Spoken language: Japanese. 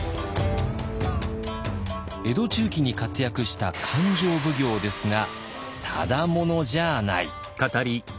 江戸中期に活躍した勘定奉行ですがただ者じゃない。